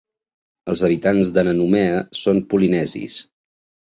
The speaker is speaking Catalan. Els habitants de Nanumea són polinesis.